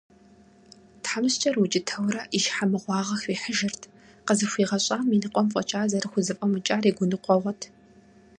ТхьэмыщкӀэр укӀытэурэ и щхьэ мыгъуагъэ хуихьыжырт, къызыхуигъэщӀам и ныкъуэм фӀэкӀа зэрыхузэфӀэмыкӀыр и гуныкъуэгъуэт.